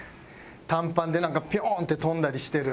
短パンでなんかピョンって跳んだりしてる。